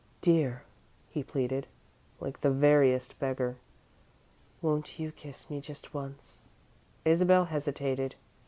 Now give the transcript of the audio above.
"Dear," he pleaded, like the veriest beggar; "won't you kiss me just once?" Isabel hesitated.